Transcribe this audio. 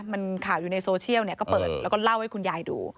มันข่าวอยู่ในโซเชียลก็เปิดแล้วก็เล่าให้คุณยายดู